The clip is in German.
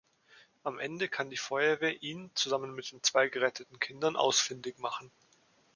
Am Ende kann die Feuerwehr ihn zusammen mit den zwei geretteten Kindern ausfindig machen.